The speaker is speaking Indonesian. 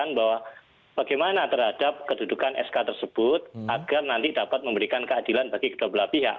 dan saat ini kita fokuskan bahwa bagaimana terhadap kedudukan sk tersebut agar nanti dapat memberikan keadilan bagi kedua belah pihak